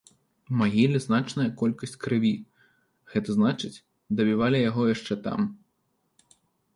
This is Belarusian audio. У магіле значная колькасць крыві, гэта значыць, дабівалі яго яшчэ там.